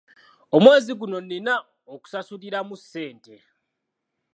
Omwezi guno nnina okusasuliramu ssente.